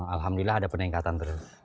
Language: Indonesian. alhamdulillah ada peningkatan terus